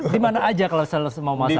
di mana aja kalau misalnya mau masak gitu